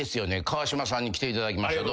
川島さんに来ていただきました。